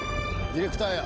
ディレクターや。